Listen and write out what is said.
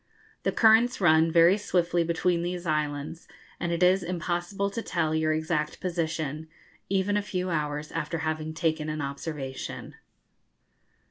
The currents run very swiftly between these islands, and it is impossible to tell your exact position, even a few hours after having taken an observation.